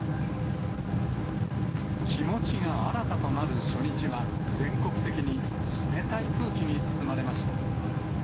気持ちが新たとなる初日は、全国的に冷たい空気に包まれました。